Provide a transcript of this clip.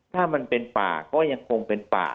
ถ้ามันเป็นเปล่ายังคงเป็น